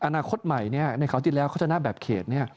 อนาคตใหม่ในคราวที่แล้วเขาชนะแบบเขต